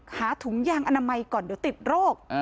ถุงยางอนามัยก่อนเดี๋ยวติดโรค